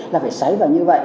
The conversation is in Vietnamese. là phải sáy vào như vậy